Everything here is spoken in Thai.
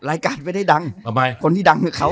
รายการไม่ได้ดังทำไมคนที่ดังคือเขา